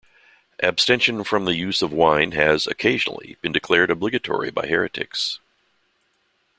Abstention from the use of wine has, occasionally, been declared obligatory by heretics.